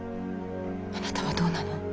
あなたはどうなの？